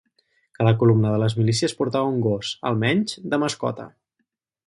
Cada columna de les milícies portava un gos, almenys, de mascota